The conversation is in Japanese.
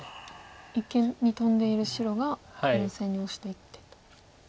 一間にトンでいる白が４線にオシていってと。